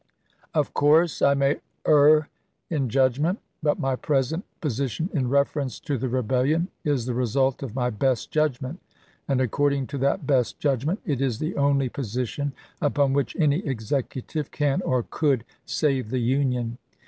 Of course, I may err in judgment; but my present po sition in reference to the rebellion is the result of my best judgment, and, according to that best judgment, it is the only position upon which any executive can or could save the Union.